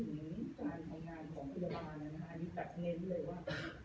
ในการทำงานของพยาบาลมีแบบเน้นเลยว่า